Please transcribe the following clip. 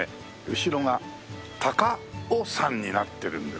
後ろが高尾山になってるんですね。